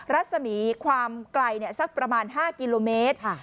รัศมีความไกลสักประมาณ๕กิโลเมตร